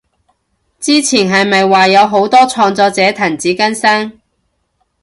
之前係咪話有好多創作者停止更新？